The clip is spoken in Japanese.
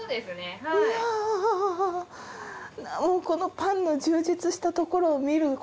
このパンの充実したところを見る